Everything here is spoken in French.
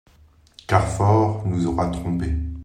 Carfor nous aura trompés.